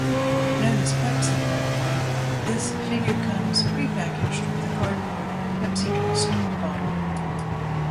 Known as "Pepsi Convoy", this figure comes pre-packaged with a cardboard Pepsi Twist bottle.